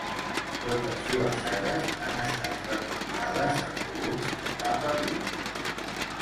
Totes dues sagues han estat recopilades en volums de tapa dura.